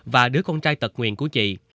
và đứa con trai tật nguyền của chị